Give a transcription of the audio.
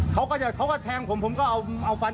เขาก็แทงผมผมก็เอาฟัน